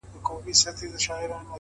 بریا د هڅو مېوه ده،